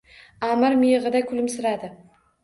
Аmir miyigʼida kulimsiradi.